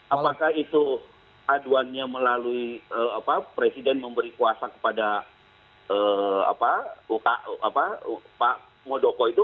apakah itu aduannya melalui presiden memberi kuasa kepada pak muldoko itu